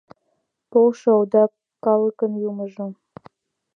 Полшо, овда калыкын юмыжо!